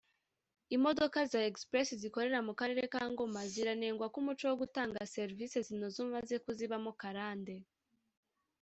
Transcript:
imodoka za express zikorera mu karere ka Ngoma ziranegwa ko umuco wo gutanga service zitanoze umaze kuzibamo karande